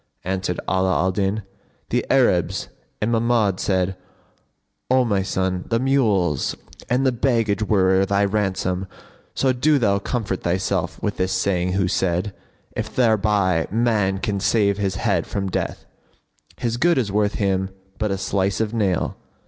Answered Ala alDin, "The Arabs," and Mahmud said, "O my son, the mules and the baggage were thy ransom; so do thou comfort thyself with his saying who said, 'If thereby man can save his head from death, * His good is worth him but a slice of nail!'